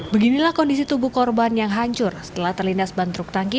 beginilah kondisi tubuh korban yang hancur setelah terlindas bantruk tangki